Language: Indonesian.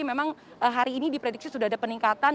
memang hari ini diprediksi sudah ada peningkatan